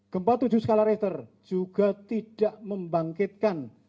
kempat tujuh skala rater juga tidak membangkitkan